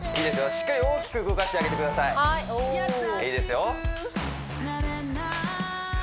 しっかり大きく動かしてあげてくださいいいですよ